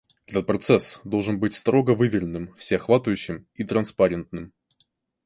Этот процесс должен быть строго выверенным, всеохватывающим и транспарентным.